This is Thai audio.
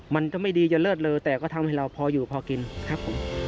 มันจะไม่ดีจะเลิศเลอแต่ก็ทำให้เราพออยู่พอกินครับผม